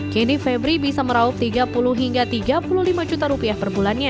kini febri bisa meraup tiga puluh hingga tiga puluh lima juta rupiah per bulannya